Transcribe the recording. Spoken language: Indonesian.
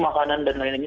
makanan dan lain lainnya